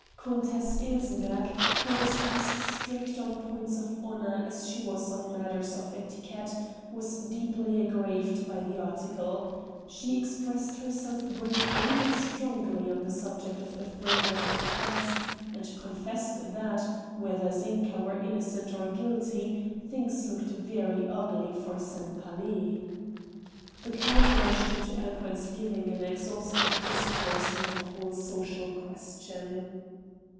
Countess Ilsenbergh, who was as strict on points of honor as she was on matters of etiquette, was deeply aggrieved by the article; she expressed herself briefly but strongly on the subject of the freedom of the press, and confessed that, whether Zinka were innocent or guilty, things looked very ugly for Sempaly. The count rushed into eloquence giving an exhaustive discourse on the whole social question.